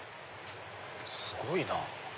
すごいなぁ。